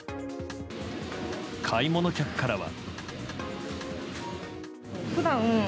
買い物客からは。